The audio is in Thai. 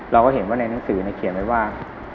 เราก็เห็นว่าในหนังสือเขียนไว้ว่า